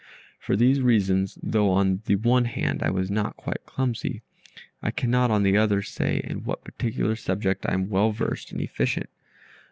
For these reasons, though on the one hand I was not quite clumsy, I cannot, on the other, say in what particular subject I am well versed and efficient.